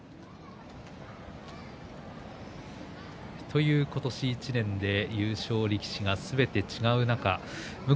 という今年１年で優勝力士がすべて違う中向